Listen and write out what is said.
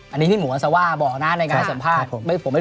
อันนี้พี่หมูอัลทรวาวบอกหน้าในงานสัมภาษน์